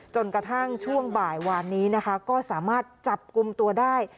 จนกระทั่งช่วงบ่ายวานนี้นะคะก็สามารถจับกลุ่มตัวได้